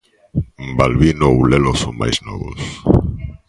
Balbino ou Lelo son máis novos.